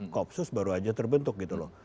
kopsus baru aja terbentuk gitu loh